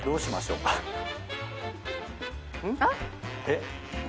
えっ？